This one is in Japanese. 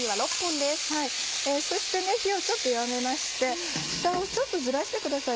そして火をちょっと弱めましてフタをちょっとずらしてください